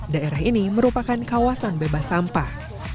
daerah ini merupakan kawasan bebas sampah